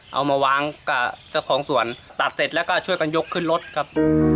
เอามาวางกับเจ้าของสวนตัดเสร็จแล้วก็ช่วยกันยกขึ้นรถครับ